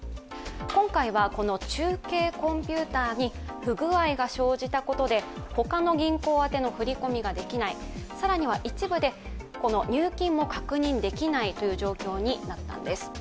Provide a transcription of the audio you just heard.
今回はこの中継コンピューターに不具合が生じたことでほか銀行宛ての振り込みができない、更には一部で入金も確認できないという状況になったんです。